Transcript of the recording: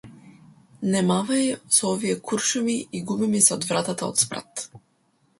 Не мавај со овие куршуми и губи ми се од вратата од спрат!